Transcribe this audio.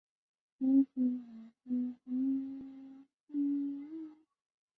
金沙江蹄盖蕨为蹄盖蕨科蹄盖蕨属下的一个种。